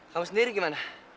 kamu sendiri gimana